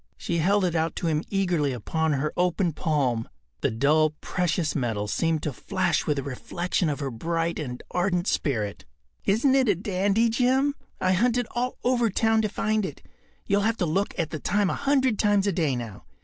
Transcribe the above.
She held it out to him eagerly upon her open palm. The dull precious metal seemed to flash with a reflection of her bright and ardent spirit. “Isn’t it a dandy, Jim? I hunted all over town to find it. You’ll have to look at the time a hundred times a day now.